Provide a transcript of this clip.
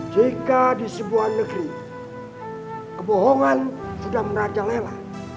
jika di sebuah negeri kebohongan sudah merajalela